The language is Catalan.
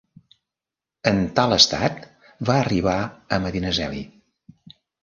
En tal estat va arribar a Medinaceli.